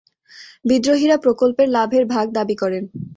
বিদ্রোহীরা প্রকল্পের লাভের ভাগ দাবি করেন।